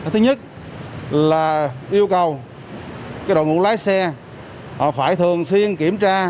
thứ nhất là yêu cầu đội ngũ lái xe phải thường xuyên kiểm tra